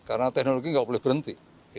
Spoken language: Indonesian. karena teknologi nggak boleh berhenti